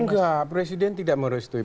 enggak presiden tidak merestui